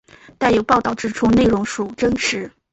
但有报导指出内容属真实。